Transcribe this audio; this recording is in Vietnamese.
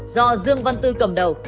do dương văn tư cầm đầu